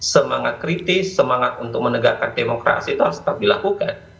semangat kritis semangat untuk menegakkan demokrasi itu harus tetap dilakukan